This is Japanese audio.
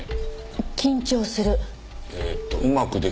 「緊張する」